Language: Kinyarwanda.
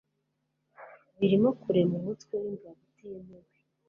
birimo kurema umutwe w'ingabo utemewe